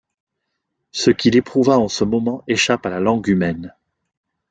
Ce qu’il éprouva en ce moment échappe à la langue humaine.